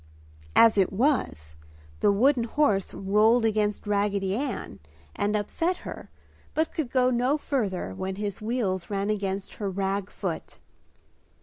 As it was, the wooden horse rolled against Raggedy Ann and upset her but could go no further when his wheels ran against her rag foot.